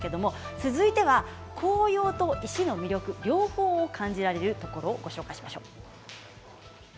続いては紅葉と石の魅力両方を感じられるところをご紹介します。